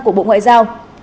của bộ ngoại giao